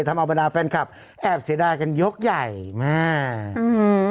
ทำเอาบรรดาแฟนคลับแอบเสียดายกันยกใหญ่มากอืม